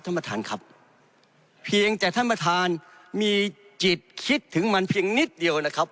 ท่านประธานครับเพียงแต่ท่านประธานมีจิตคิดถึงมันเพียงนิดเดียวนะครับ